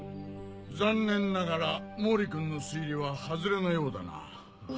残念ながら毛利君の推理はハズレのようだな。